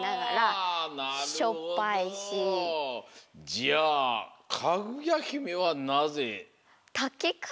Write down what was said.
じゃあかぐやひめはなぜ？